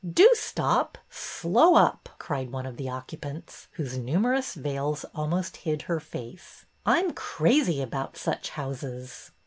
Do stop, slow up !" cried one of the occupants, whose numerous veils almost hid her face. I 'm crazy about such houses."